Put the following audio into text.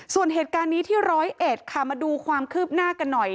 ส่วนเหตุการณ์นี้ที่ร้อยเอ็ดค่ะมาดูความคืบหน้ากันหน่อย